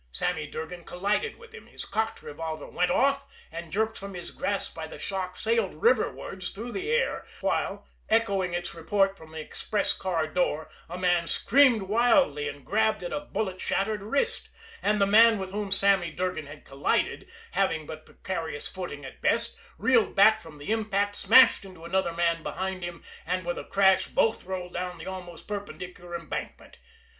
Sammy Durgan collided with him, his cocked revolver went off, and, jerked from his grasp by the shock, sailed riverwards through the air, while, echoing its report from the express car door, a man screamed wildly and grabbed at a bullet shattered wrist; and the man with whom Sammy Durgan had collided, having but precarious footing at best, reeled back from the impact, smashed into another man behind him, and with a crash both rolled down the almost perpendicular embankment.